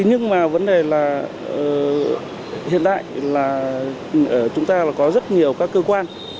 nhưng mà vấn đề là hiện đại là ở chúng ta là có rất nhiều các cơ quan